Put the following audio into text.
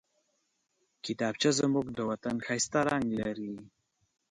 کتابچه زموږ د وطن ښايسته رنګ لري